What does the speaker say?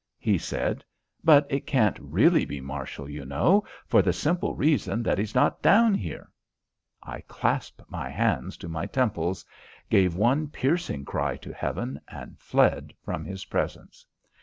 He said: "But it can't really be Marshall, you know, for the simple reason that he's not down here." I clasped my hands to my temples, gave one piercing cry to heaven and fled from his presence.